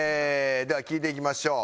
では聞いていきましょう。